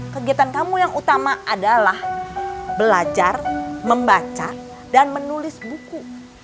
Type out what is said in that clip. kegiatan kamu yang utama adalah belajar membaca dan menulis buku